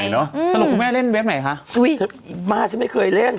สรุปคุณแม่เล่นเว็บไหนคะมาฉันไม่เคยเล่น